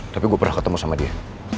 tapi gue pernah ketemu sama dia